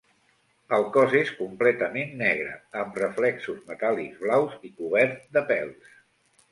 El cos és completament negre, amb reflexos metàl·lics blaus i cobert de pèls.